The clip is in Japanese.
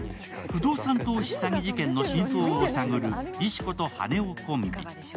不動産投資詐欺事件の真相を探る石子と羽男コンビ。